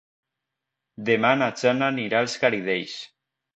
Demà na Jana anirà als Garidells.